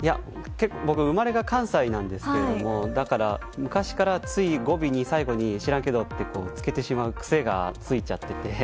僕、生まれが関西なんですけどだから昔からつい語尾に「知らんけど」ってつけてしまう癖がついちゃってて。